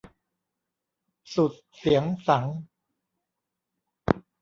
สุดเสียงสังข์